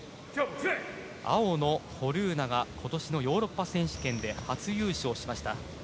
青のホルーナが今年のヨーロッパ選手権で初優勝しました。